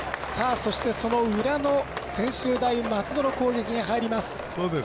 そして、その裏の専修大松戸の攻撃に入ります。